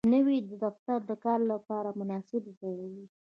نوی دفتر د کار لپاره مناسب ځای وي